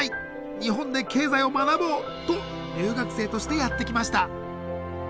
日本で経済を学ぼう！と留学生としてやって来ました。